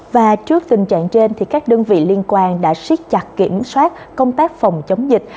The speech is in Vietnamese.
và trước tình trạng trên các đơn vị liên quan đã siết chặt kiểm soát công tác phòng chống dịch